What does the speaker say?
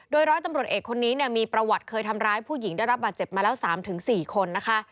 โดยร้อยตำรวจเอกคนนี้มีประวัติเคยทำร้ายผู้หญิงได้รับบาดเจ็บมาแล้ว๓๔คนนะคะ